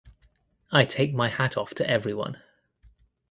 I take my hat off to everyone.